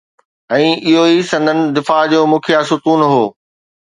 ۽ اهو ئي سندن دفاع جو مکيه ستون هو.